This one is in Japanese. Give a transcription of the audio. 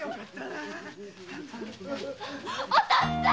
お父っつぁん！